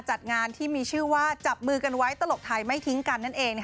จัดงานที่มีชื่อว่าจับมือกันไว้ตลกไทยไม่ทิ้งกันนั่นเอง